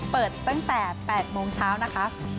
เปิดตั้งแต่๘โมงเช้านะคะ